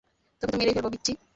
তোকে তো মেরেই ফেলব, পিচ্চি!